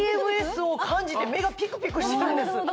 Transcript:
ＥＭＳを感じて目がピクピクしてるんです